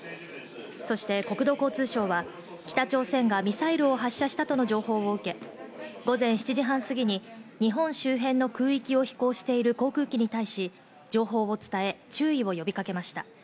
国土交通省は、北朝鮮がミサイルを発射したとの情報を受け、午前７時半過ぎに日本周辺の空域を飛行している航空機に対し情報を伝え、注意を呼びかけました。